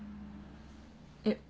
えっ？